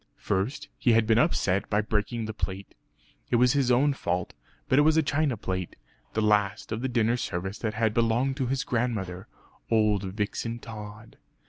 First he had been upset by breaking the plate. It was his own fault; but it was a china plate, the last of the dinner service that had belonged to his grandmother, old Vixen Tod.